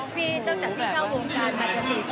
พี่ด้านเข้าวงการมาจาก๔๐ปี